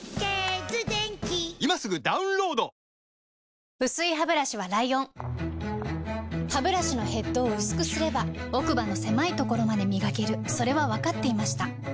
実はこの方たち薄いハブラシはライオンハブラシのヘッドを薄くすれば奥歯の狭いところまで磨けるそれは分かっていました